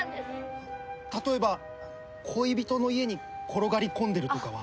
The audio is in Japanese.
例えば恋人の家に転がり込んでるとかは？